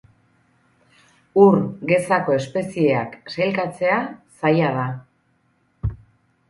Ur gezako espezieak sailkatzea zaila da.